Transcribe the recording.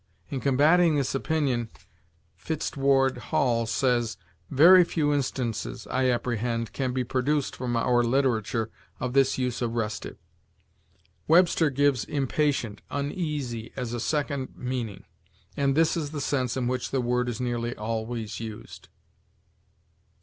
In combating this opinion, Fitzedward Hall says: "Very few instances, I apprehend, can be produced, from our literature, of this use of restive." Webster gives impatient, uneasy, as a second meaning; and this is the sense in which the word is nearly always used.